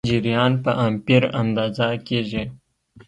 جریان په امپیر اندازه کېږي.